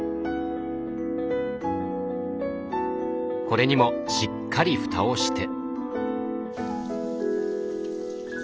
これにもしっかりふたをして。